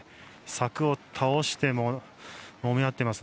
柵を倒してもみ合っています。